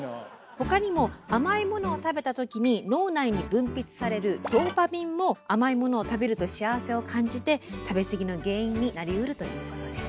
他にも甘いものを食べたときに脳内に分泌されるドーパミンも甘いものを食べると幸せを感じて食べ過ぎの原因になりうるということです。